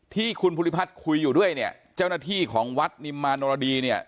ที่คุณภูริพัฒน์คุยอยู่ด้วยเนี่ยเจ้าหน้าที่ของวัดนิมมานรดีเนี่ย